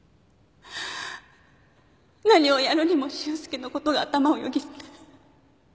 何をやるにも俊介のことが頭をよぎって。